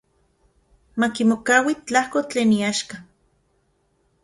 Makimokaui tlajko tlen iaxka.